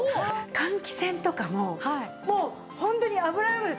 換気扇とかももうホントに油汚れ